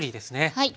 はい。